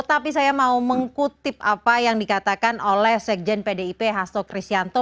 tapi saya mau mengkutip apa yang dikatakan oleh sekjen pdip hasto kristianto